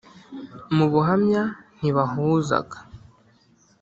mu buhamya ntibahuzaga